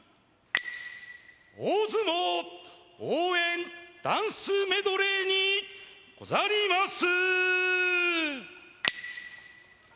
大相撲応援ダンスメドレーにござります。